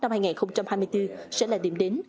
năm hai nghìn hai mươi bốn sẽ là điểm đến